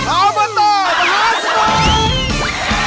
ออเบอร์ตอร์มหาสนุก